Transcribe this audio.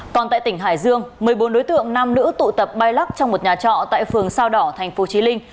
còn tại tỉnh hải dương một mươi bốn đối tượng nam nữ tụ tập bay lắc trong một nhà trọ tại phường sao đỏ tp chí linh